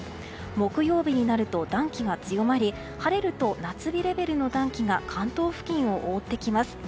木曜日になると、暖気が強まり晴れると夏日レベルの暖気が関東付近を覆ってきます。